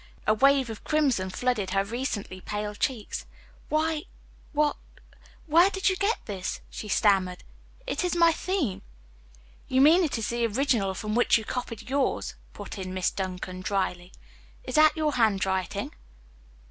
A wave of crimson flooded her recently pale cheeks. "Why what where did you get this?" she stammered. "It is my theme." [Illustration: "It Is My Theme."] "You mean it is the original from which you copied yours," put in Miss Duncan dryly. "Is that your hand writing?"